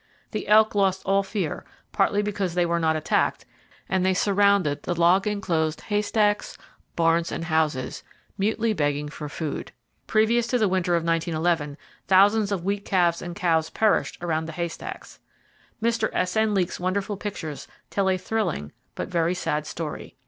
The elk lost all fear, partly because they were not attacked, and they surrounded the log enclosed haystacks, barns and houses, mutely begging for food. Previous to the winter of 1911, thousands of weak calves and cows perished around the haystacks. Mr. S.N. Leek's wonderful pictures tell a thrilling but very sad story.